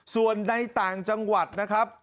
ส่วนในต่างจังหวัดนะครับ